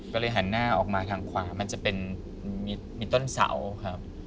ก็เลยหันหน้าออกมาทางขวามันจะเป็นมีต้นเสาครับ